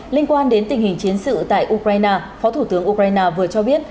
liên quan đến tình hình chiến sự tại ukraine phó thủ tướng ukraine vừa cho biết